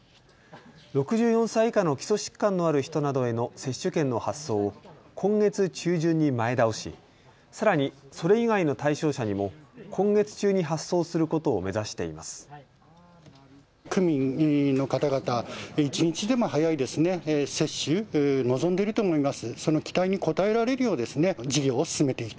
６４歳以下の基礎疾患のある人などへの接種券の発送を今月中旬に前倒し、さらにそれ以外の対象者にも今月中に発送することを目指しています。